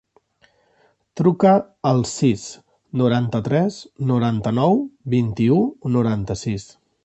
Truca al sis, noranta-tres, noranta-nou, vint-i-u, noranta-sis.